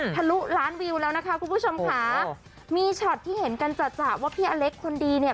ลุล้านวิวแล้วนะคะคุณผู้ชมค่ะมีช็อตที่เห็นกันจัดว่าพี่อเล็กคนดีเนี่ย